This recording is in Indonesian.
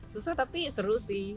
susah tapi seru sih